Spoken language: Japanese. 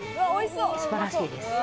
素晴らしいです。